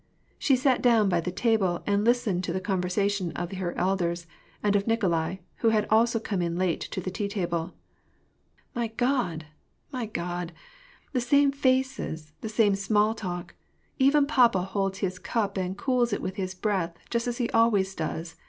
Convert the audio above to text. She sat down by the table, and listened to the conversation of her elders, and of Nikolai, who had also come in late to the tea table. " My God ! my God ! the same faces, the same small talk ! even papa holds his cup and cools it with his breath just as he always does !